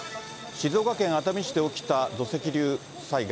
静岡県熱海市で起きた土石流災害。